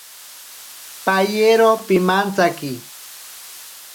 Payero pimantsaki.